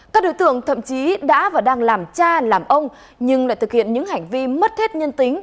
các đối tượng thậm chí đã và đang làm cha làm ông nhưng lại thực hiện những hành vi mất hết nhân tính